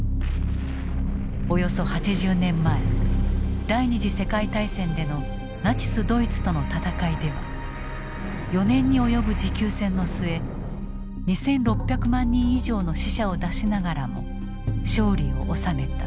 およそ８０年前第２次世界大戦でのナチス・ドイツとの戦いでは４年に及ぶ持久戦の末２，６００万人以上の死者を出しながらも勝利を収めた。